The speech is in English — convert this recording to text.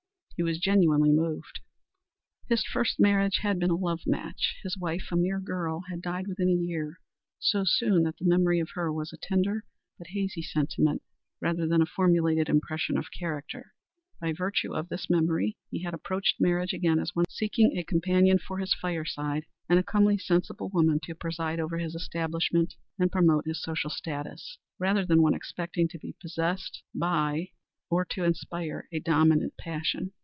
He was genuinely moved. His first marriage had been a love match. His wife a mere girl had died within a year; so soon that the memory of her was a tender but hazy sentiment rather than a formulated impression of character. By virtue of this memory he had approached marriage again as one seeking a companion for his fireside, and a comely, sensible woman to preside over his establishment and promote his social status, rather than one expecting to be possessed by or to inspire a dominant passion.